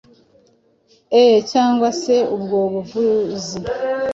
e cyangwa se ubwo buvuzi.